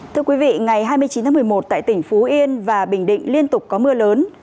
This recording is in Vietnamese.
thưa quý vị ngày hai mươi chín tháng một mươi một tại tỉnh phú yên và bình định liên tục có mưa lớn